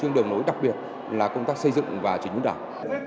chương đường nối đặc biệt là công tác xây dựng và chỉnh vốn đảng